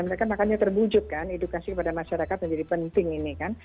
mereka makanya terwujud kan edukasi kepada masyarakat menjadi penting ini kan